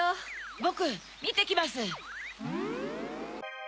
ボクみてきます。